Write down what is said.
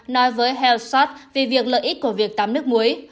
nói với healthshot về việc lợi ích của việc tắm nước muối